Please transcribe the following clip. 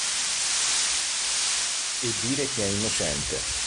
E dire che è innocente!